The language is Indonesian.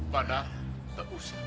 padahal tak usah